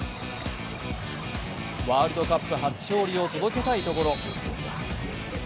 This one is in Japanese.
ワールドカップ初勝利を届けたいところ。